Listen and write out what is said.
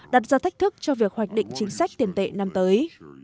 đặt ra thách thức cho việc hoạch định chính sách tiền tệ năm tới